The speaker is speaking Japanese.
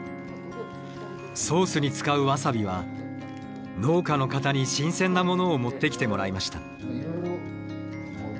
ソースに使うワサビは農家の方に新鮮なものを持ってきてもらいました。